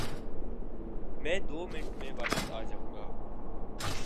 میں دو منٹ میں واپس آ جاؤں گا